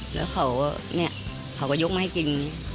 แล้วเขาก็เนี่ยเขาก็ยกมาให้กิน